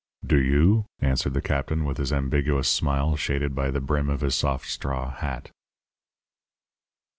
"Do you?" answered the captain, with his ambiguous smile shaded by the brim of his soft straw hat.